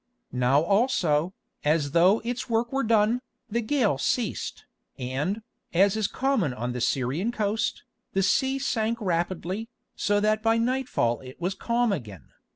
Now also, as though its work were done, the gale ceased, and, as is common on the Syrian coast, the sea sank rapidly, so that by nightfall it was calm again.